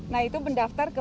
nah itu benda